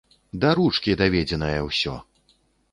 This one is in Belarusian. Да ручкі даведзенае ўсё.